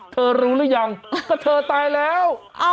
เธอรู้หรือยังเพราะเธอตายแล้ว